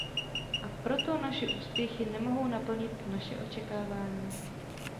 A proto naše úspěchy nemohou naplnit naše očekávání.